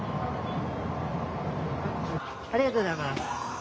ありがとうございます。